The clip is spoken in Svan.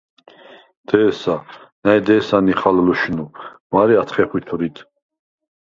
დე̄სა, ნა̈ჲ დე̄სა ნიხალ ლუშნუ, მარე ათხე ხვითვრიდ.